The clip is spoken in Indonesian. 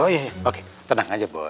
oh iya oke tenang aja bu